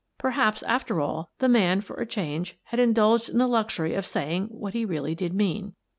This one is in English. Perhaps, after all, the man, for a change, had indulged in the luxury of saying what he really did mean.